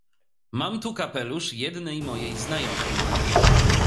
— Mam tu kapelusz jednej mojej znajomej.